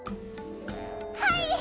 はい！